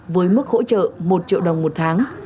với mức hỗ trợ một triệu đồng một tháng